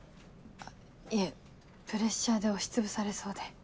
いえプレッシャーで押しつぶされそうで。